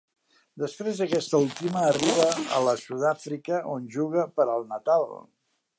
Després d'aquesta última, arriba a la Sud-àfrica on juga per al Natal.